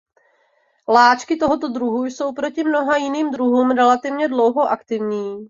Láčky tohoto druhu jsou proti mnoha jiným druhům relativně dlouho aktivní.